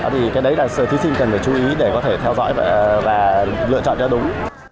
thì cái đấy là sự thí sinh cần phải chú ý để có thể theo dõi và lựa chọn cho đúng